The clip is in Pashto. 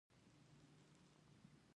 ژوندي د حال ژوند کوي